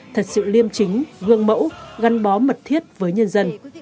thật sự liêm chính gương mẫu gắn bó mật thiết với nhân dân